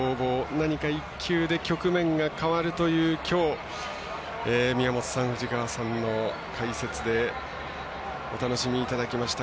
何か１球で局面が変わるというきょう宮本さん、藤川さんの解説でお楽しみいただきました。